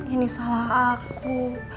ini salah aku